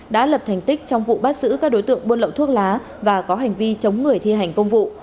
đã lập thành tích trong vụ bắt giữ các đối tượng buôn lậu thuốc lá và có hành vi chống người thi hành công vụ